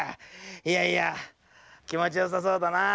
いやいやきもちよさそうだなぁ。